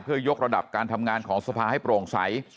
เพื่อยกระดับการทำงานของสภาให้โปร่งใส